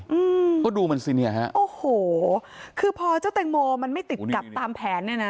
อืมเพราะดูมันสิเนี่ยฮะโอ้โหคือพอเจ้าแตงโมมันไม่ติดกับตามแผนเนี่ยนะ